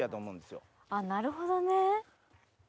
あっなるほどね。